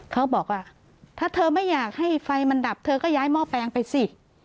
เขาบอกว่าถ้าเธอไม่อยากให้ไฟมันดับเธอก็ย้ายหม้อแปลงไปสิ